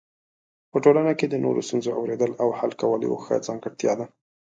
په ټولنه کې د نورو ستونزو اورېدل او حل کول یو ښه ځانګړتیا ده.